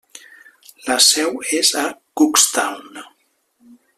La seu és a Cookstown.